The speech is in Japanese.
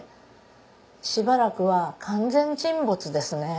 しばらくは完全沈没ですね。